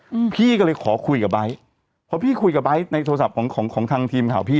อืมพี่ก็เลยขอคุยกับไบท์เพราะพี่คุยกับไบท์ในโทรศัพท์ของของทางทีมข่าวพี่